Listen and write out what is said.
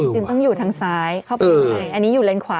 จริงต้องอยู่ทางซ้ายเข้าไปอันนี้อยู่เลนขวา